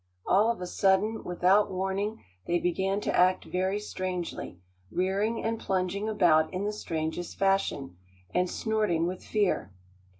All of a sudden, without warning, they began to act very strangely, rearing and plunging about in the strangest fashion, and snorting with fear.